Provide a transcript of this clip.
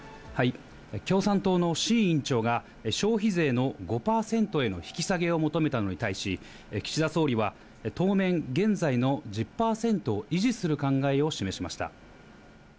共産党の志位委員長が、消費税の５％への引き下げを求めたのに対し、岸田総理は、当面、現在の１０％を維持する考えを示しました。